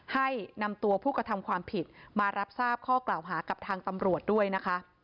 ให้นำตัวผู้กระทำความผิดมารับทราบข้อกล่าวหากับทางตำรวจด้วยนะคะ